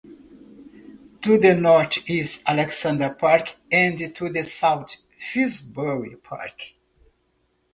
To the north is Alexandra Park and to the south Finsbury Park.